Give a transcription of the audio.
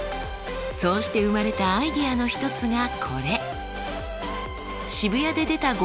そうして生まれたアイデアの一つがこれ。